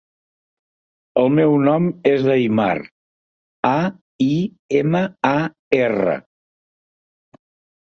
El meu nom és Aimar: a, i, ema, a, erra.